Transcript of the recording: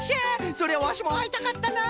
それはワシもあいたかったな。